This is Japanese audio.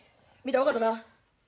分かったな。